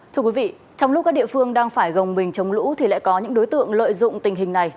thưa quý vị trong lúc các địa phương đang phải gồng mình chống lũ thì lại có những đối tượng lợi dụng tình hình này